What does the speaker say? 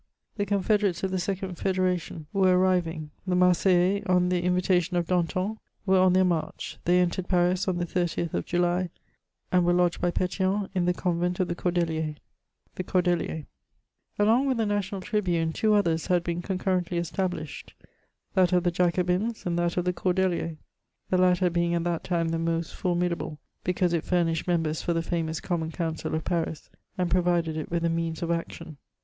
The confederates of the second feaeration were arriv* ing ; the Marseillais, on the invitation of Danton, were on their march ; they entered Paris on the 30th of July, and were lodged by Potion in the convent of the Cordeliers. CHATEAUBRIAND. 319 THB COBDELIEBS* Along with the national tribune, two others had been con currently established ; that of the Jacobins and that of the Cordeliers ; the latter being at that time the most formidable, because it famished members for the famous common coimcil of Paris, and provide^ it with the means of action.